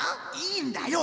いいんだよ。